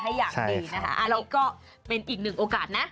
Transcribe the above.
ดูแลให้อย่างดีนะคะไม้ก็เป็นอีกหนึ่งโอกาสนะ